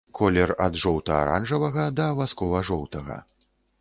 Колер ад жоўта-аранжавага да васкова-жоўтага.